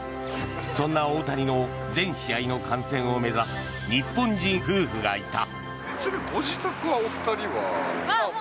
そんな大谷の全試合の観戦を目指す日本人夫婦がいた。